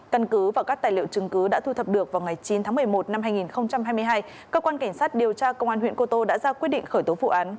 căn cứ và các tài liệu chứng cứ đã thu thập được vào ngày chín tháng một mươi một năm hai nghìn hai mươi hai cơ quan cảnh sát điều tra công an huyện cô tô đã ra quyết định khởi tố vụ án